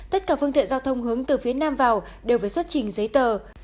tất cả phương tiện giao thông hướng từ phía nam vào đều phải xuất trình giấy tờ